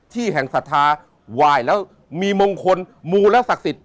ที่แห่งศาธาวายแล้วมีมงคลมูลและศักดิ์